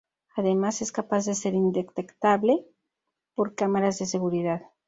Además es capaz de ser indetectable por cámaras de seguridad.